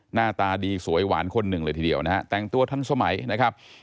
หน้าตาดีสวยหวานคนหนึ่งเลยทีเดียวนะฮะแต่งตัวทันสมัยนะครับ